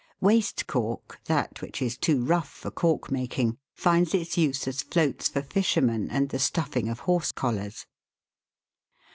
Waste cork, that which is too rough for cork making, finds its use as floats for fishermen and the stuffing of horse collars.